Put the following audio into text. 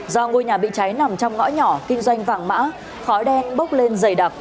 do ngôi nhà bị cháy nằm trong ngõ nhỏ kinh doanh vàng mã khói đen bốc lên dày đặc